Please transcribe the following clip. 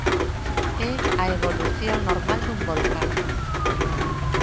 É a evolución normal dun volcán.